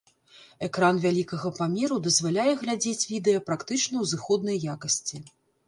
Экран вялікага памеру дазваляе глядзець відэа практычна ў зыходнай якасці.